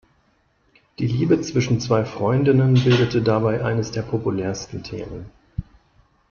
Die Liebe zwischen zwei Freundinnen bildete dabei eines der populärsten Themen.